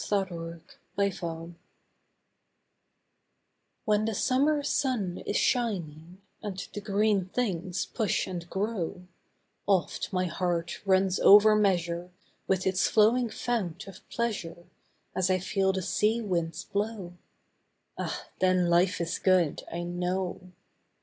SUMMER DREAMS When the Summer sun is shining, And the green things push and grow, Oft my heart runs over measure, With its flowing fount of pleasure, As I feel the sea winds blow; Ah, then life is good, I know.